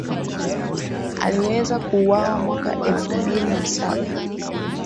aliweza kuuwawa mwaka elfu mbili na saba